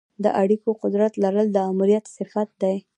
د اړیکو قدرت لرل د آمریت صفت دی.